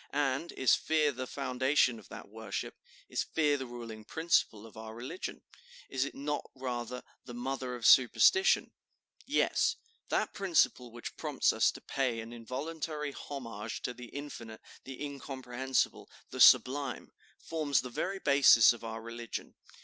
And is fear the foundation of that worship? Is fear the ruling principle of our religion? Is it not rather the mother of superstition? Yes, that principle which prompts us to pay an involuntary homage to the infinite, the incomprehensible, the sublime, forms the very basis of our religion.